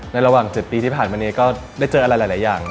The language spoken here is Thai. ระหว่าง๗ปีที่ผ่านมานี้ก็ได้เจออะไรหลายอย่าง